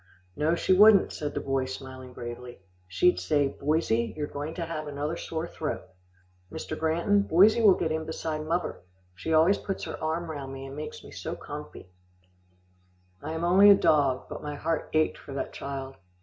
"No, she wouldn't," said the boy smiling bravely. "She'd say, 'Boysie, you are going to have another sore throat.' Mr. Granton, boysie will get in beside muvver. She always puts her arm round me, and makes me so comfy." I am only a dog, but my heart ached for that child.